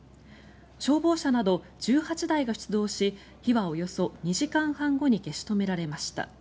消防車など１８台が出動し火はおよそ２時間半後に消し止められました。